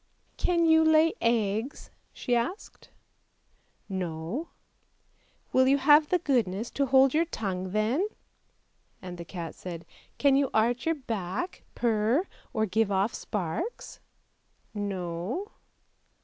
" Can you lay eggs? " she asked. "No! "" Will you have the goodness to hold your tongue then! " And the cat said, " Can you arch your back, purr, or give off sparks? "" No."